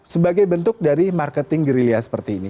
sebagai bentuk dari marketing gerilya seperti ini